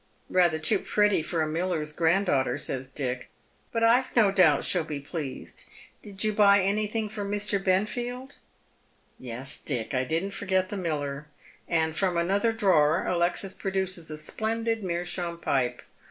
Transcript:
" Eather too pretty for a miller's granddaughter," says Dick. " But I've no doubt she'll be pleased. Did you buy anything for Mr. Benfield ?" "Yes, Dick, I didn't forget the miller;" and from another drawer Alexis produces a splendid meerschaum pipe.